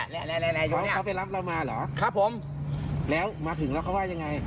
แล้วมาถึงแล้วเค้าว่ายังไง